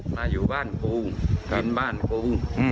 มาอยู่บ้านกูกินบ้านกู